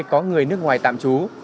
có người nước ngoài tạm trú